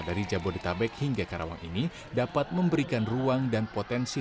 dari jabodetabek hingga karawang ini dapat memberikan ruang dan potensi